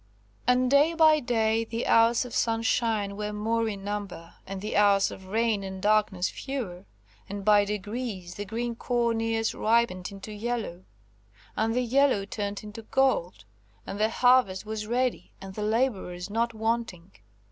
And day by day the hours of sunshine were more in number, and the hours of rain and darkness fewer, and by degrees the green corn ears ripened into yellow, and the yellow turned into gold, and the harvest was ready, and the labourers not wanting.